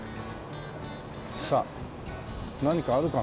さあ何かあるかな？